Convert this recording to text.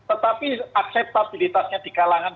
tetapi akseptabilitasnya di kalangan